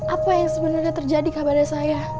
apa yang sebenarnya terjadi kepada saya